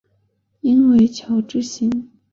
应为侨置新阳县所置。